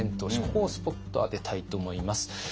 ここをスポット当てたいと思います。